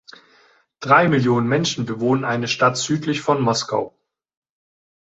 Drei Millionen Menschen bewohnen eine Stadt südlich von Moskau.